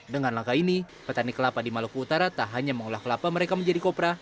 dengan langkah ini petani kelapa di maluku utara tak hanya mengolah kelapa mereka menjadi kopra